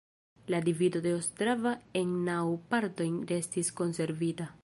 La divido de Ostrava en naŭ partojn restis konservita.